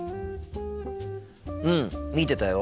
うん見てたよ。